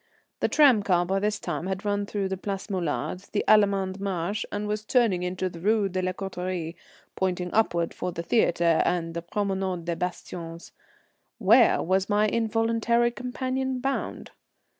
The tram car by this time had run through the Place Molard, the Allemand Marché, and was turning into the Rue de la Corraterie, pointing upward for the theatre and the Promenade des Bastions. Where was my involuntary companion bound?